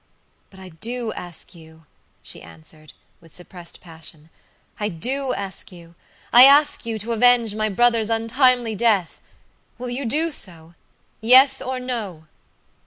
"But I do ask you," she answered, with suppressed passion"I do ask you. I ask you to avenge my brother's untimely death. Will you do so? Yes or no?"